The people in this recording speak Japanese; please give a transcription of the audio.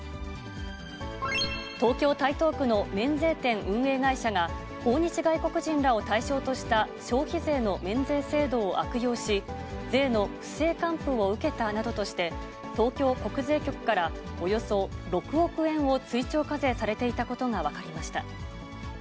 東京・台東区の免税店運営会社が、訪日外国人らを対象とした消費税の免税制度を悪用し、税の不正還付を受けたなどとして、東京国税局からおよそ６億円を追徴課税されていたことが分かりました。